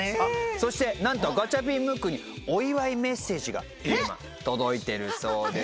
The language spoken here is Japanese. そして何とガチャピンムックにお祝いメッセージが届いてるそうです。